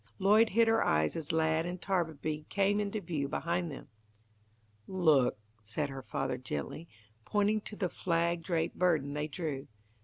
Lloyd hid her eyes as Lad and Tarbaby came into view behind them. "Look," said her father gently, pointing to the flag draped burden they drew.